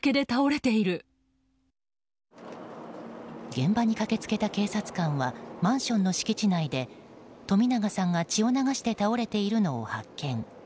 現場に駆け付けた警察官はマンションの敷地内で冨永さんが血を流して倒れているのを発見。